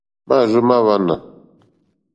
Máàrzó má hwánà.